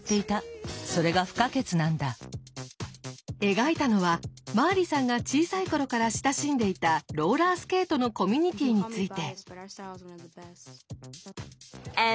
描いたのはマーリさんが小さい頃から親しんでいたローラースケートのコミュニティーについて。